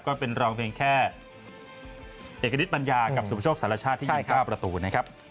ก็เป็นรองเพียงแค่เอกดิจปัญญากับสุพชกศาลชาติที่ยิงข้าวประตูนะครับ